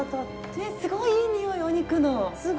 ねえすごいいい匂いお肉の！